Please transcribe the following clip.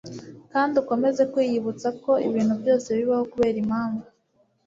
kandi ukomeze kwiyibutsa ko ibintu byose bibaho kubera impamvu